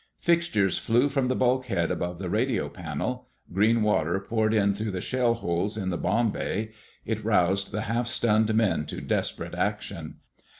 Fixtures flew from the bulkhead above the radio panel. Green water poured in through the shell holes in the bomb bay. It roused the half stunned men to desperate action.